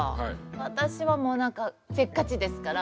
私はもうなんかせっかちですから。